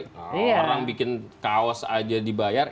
kalau orang bikin kaos aja dibayar